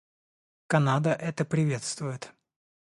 Канада это приветствует.